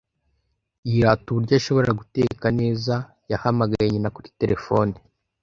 Yirata uburyo ashobora guteka neza. Yahamagaye nyina kuri terefone.